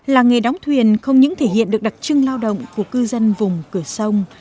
làng nghề đóng thuyền không những thể hiện được đặc trưng lao động của cư dân vùng cửa sông